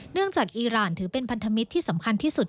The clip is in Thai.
จากอีรานถือเป็นพันธมิตรที่สำคัญที่สุด